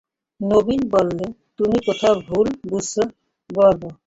নবীন বললে, তুমি কোথায় ভুল বুঝেছ বলব?